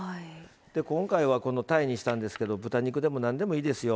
今回は、たいにしたんですけど豚肉でも、なんでもいいですよ。